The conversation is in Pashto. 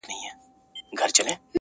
• هر سيلاب يې بتشکن دی -